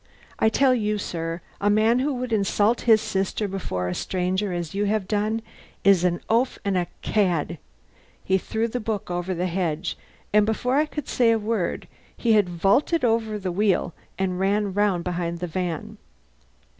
I tell you, sir, a man who would insult his sister before a stranger, as you have done, is an oaf and a cad." He threw the book over the hedge, and before I could say a word he had vaulted over the off wheel and ran round behind the van.